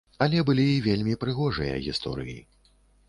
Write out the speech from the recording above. Але былі і вельмі прыгожыя гісторыі.